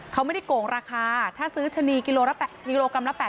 เขาไม่ได้โกงราคาถ้าซื้อชะนีกิโลกรัมละ๘๐